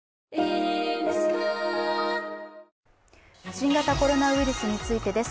新型コロナウイルスについてです。